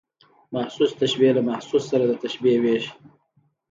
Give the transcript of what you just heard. محسوس تشبیه له محسوس سره د تشبېه وېش.